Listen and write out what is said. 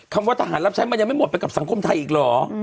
คำว่าทหารรับใช้มันยังไม่หมดไปกับสังคมไทยอีกเหรอ